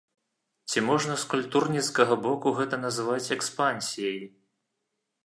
Ці можна з культурніцкага боку гэта назваць экспансіяй?